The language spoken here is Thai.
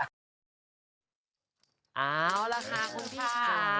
เอาล่ะค่ะคุณพี่ค่ะ